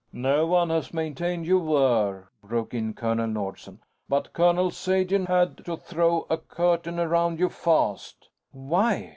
"No one has maintained you were," broke in Colonel Nordsen. "But Colonel Sagen had to throw a curtain around you fast." "Why?"